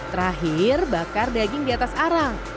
terakhir bakar daging di atas arang